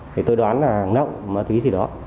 thì tôi đoán là nộng mà thí gì đó